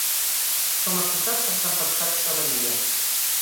...com assotat per tempestats d'alegria.